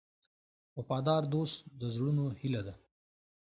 وفادار دوست د زړونو هیله ده.